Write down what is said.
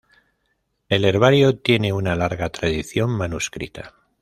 El herbario tiene una larga tradición manuscrita.